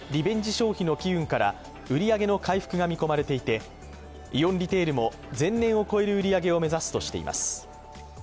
消費の機運から売上の回復が見込まれていてイオンリテールも前年を超える売り上げを目指すとしています。